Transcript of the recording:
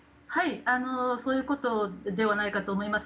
そういうことではないかと思います。